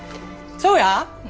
そうや。